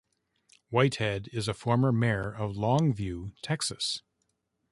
Whitehead is a former mayor of Longview, Texas.